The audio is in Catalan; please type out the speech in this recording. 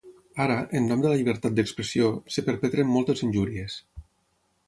Ara, en nom de la llibertat d'expressió, es perpetren moltes injúries.